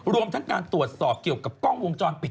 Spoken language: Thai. รวมทั้งการตรวจสอบเกี่ยวกับกล้องวงจรปิด